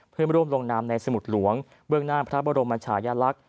เพื่อร่วมลงนามในสมุดหลวงเบื้องหน้าพระบรมชายลักษณ์